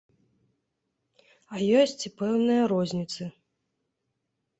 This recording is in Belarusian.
А ёсць і пэўныя розніцы.